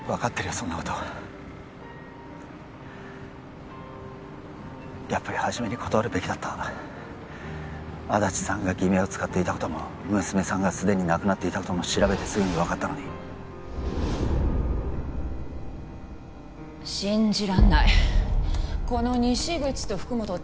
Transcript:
そんなことやっぱりはじめに断るべきだった安達さんが偽名を使っていたことも娘さんが既に亡くなっていたことも調べてすぐに分かったのに信じらんないこの西口と福本ってヤツは